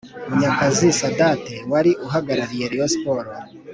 Munyakazi Sadate wari uhagarariye Rayon Sports